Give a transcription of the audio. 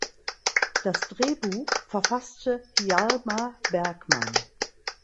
Das Drehbuch verfasste Hjalmar Bergman.